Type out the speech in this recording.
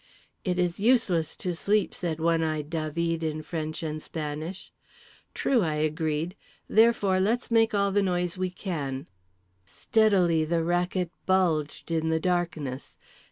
"It is useless to sleep," said One Eyed Dah veed in French and Spanish. "True," I agreed; "therefore, let's make all the noise we can." Steadily the racket bulged in the darkness.